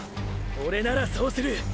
オレならそうする！！